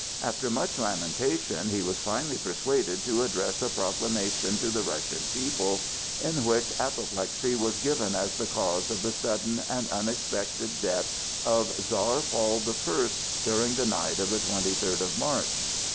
After much lamentation he was finally persuaded to address a proclamation to the Russian people in which apoplexy was given as the cause of the sudden and unexpected death of Czar Paul the First during the night of the twenty third of March.